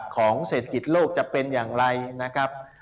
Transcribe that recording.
เศรษฐกิจโลกจะเป็นอย่างไรนะครับ